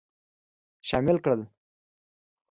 شامل کړل.